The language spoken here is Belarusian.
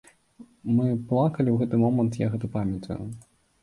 Мы плакалі ў гэты момант, я гэта памятаю.